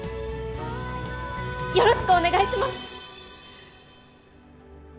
よろしくお願いします！